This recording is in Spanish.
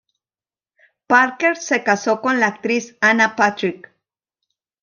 Parker se casó con la actriz Anna Patrick.